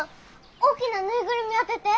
大きなぬいぐるみ当てて。